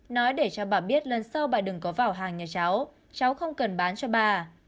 nói để cho bà biết lần sau bà đừng có vào hàng nhà cháu cháu không cần bán cho bà